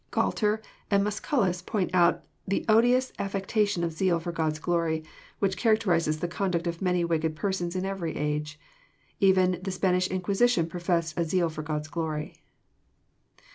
Gualter and Musculus point out the odious affectation of zeal for God's glory which characterizes the conduct of many wicked persons in every age. Even the Spanish Inquisition professed a zeal for God's glory.